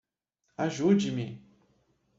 Ajude-me!